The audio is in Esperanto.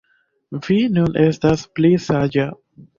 Vi nun estas pli saĝa